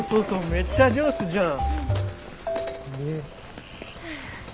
めっちゃ上手じゃん。